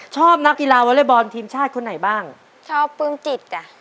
ชอบนักกีฬาวอเล็กบอลทีมชาติคนไหนบ้างชอบปลื้มจิตจ้ะ